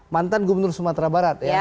mantan gubernur sumatera barat